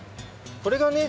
これがね